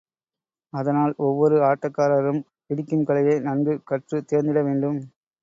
அதனால் ஒவ்வொரு ஆட்டக்காரரும் பிடிக்கும் கலையை நன்கு கற்றுத் தேர்ந்திட வேண்டும்.